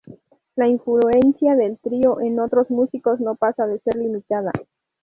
La influencia de Trio en otros músicos no pasa de ser limitada.